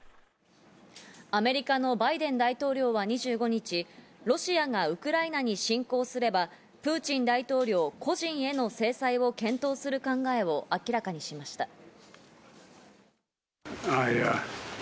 アメリカのバイデン大統領は２５日、ロシアがウクライナに侵攻すればプーチン大統領個人への制裁を検討する考えを明らかにしました。